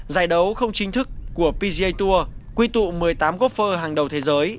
giải đấu không chính thức của pga tour quy tụ một mươi tám gopher hàng đầu thế giới